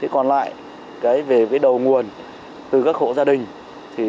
còn lại về đầu nguồn từ các hộ gia đình